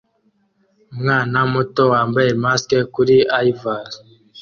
Umwana muto wambaye mask kuri Ivars